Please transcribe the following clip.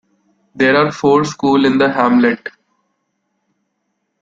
There are four schools in the hamlet.